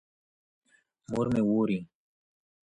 مور مي اوري.